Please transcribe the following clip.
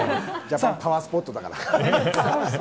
パワースポットだから。